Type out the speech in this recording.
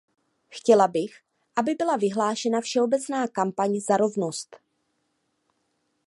Chtěla bych, aby byla vyhlášena všeobecná kampaň za rovnost.